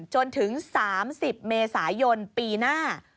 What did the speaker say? จนถึง๓๐เมษายนปีหน้า